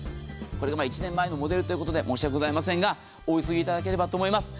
これが１年前のモデルということで申し訳ございませんがお急ぎいただければと思います。